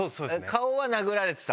顔は殴られてたの？